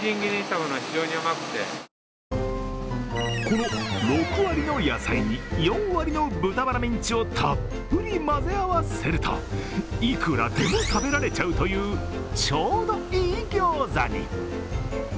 この６割の野菜に４割の豚バラミンチをたっぷり混ぜ合わせるといくらでも食べられちゃうというちょうどいい餃子に。